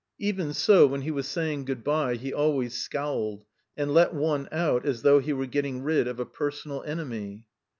Even so, when he was saying good bye he always scowled, and let one out as though he were getting rid of a personal enemy.